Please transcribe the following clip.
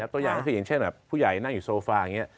ตัวอย่างก็คืออย่างเช่นแบบผู้ใหญ่นั่งอยู่โซฟาอย่างนี้